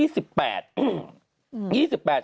๒๘สิงหาคม